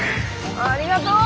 ありがとう！